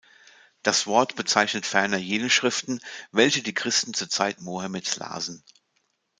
Das Wort bezeichnet ferner jene Schriften, welche die Christen zur Zeit Mohammeds lasen.